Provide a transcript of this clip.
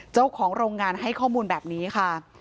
เจ้าของโรงงานให้ข้อมูลแบบนี้ค่ะ